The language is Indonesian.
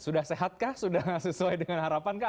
sudah sehat kah sudah sesuai dengan harapan kah